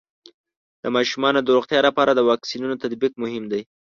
د ماشومانو د روغتیا لپاره د واکسینونو تطبیق مهم دی.